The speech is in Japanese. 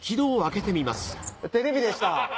テレビでした。